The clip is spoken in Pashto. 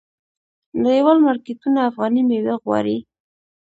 نړیوال مارکیټونه افغاني میوې غواړي.